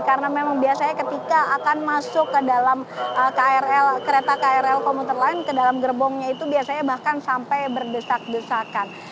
karena memang biasanya ketika akan masuk ke dalam kereta krl komuter lain ke dalam gerbongnya itu biasanya bahkan sampai bergesak gesakan